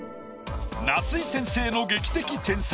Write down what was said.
夏井先生の劇的添削。